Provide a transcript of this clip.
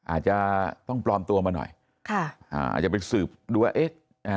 อาจจะต้องปลอมตัวมาหน่อยค่ะอ่าอาจจะไปสืบดูว่าเอ๊ะ